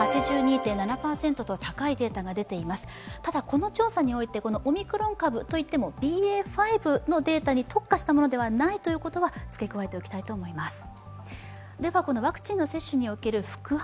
この調査においてオミクロン株といってもＢＡ．５のデータに特化したものではないということは付け加えておきたいと思います。